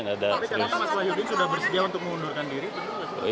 mahyudin sudah bersedia untuk mengundurkan diri